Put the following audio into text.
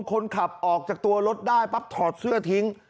คนขับออกจากตัวรถได้ปั๊บถอดเสื้อทิ้ง